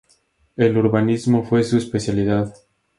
El urbanismo fue su especialidad.